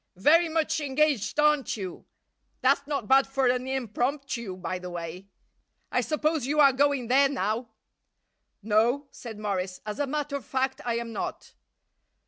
Very much engaged aren't you? (That's not bad for an impromptu, by the way.) I suppose you are going there now?" "No," said Morris, "as a matter of fact I am not."